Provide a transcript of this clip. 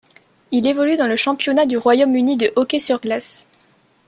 Il évolue dans le Championnat du Royaume-Uni de hockey sur glace.